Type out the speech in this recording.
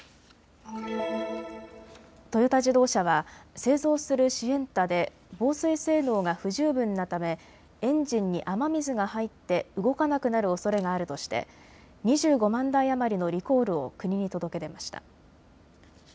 トヨタ自動車は製造するシエンタで防水性能が不十分なためエンジンに雨水が入って動かなくなるおそれがあるとして２５万台余りのリコールを国に届け出ました。